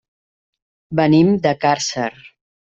Venim de Càrcer.